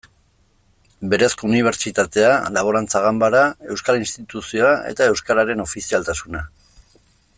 Berezko unibertsitatea, Laborantza Ganbara, Euskal Instituzioa eta euskararen ofizialtasuna.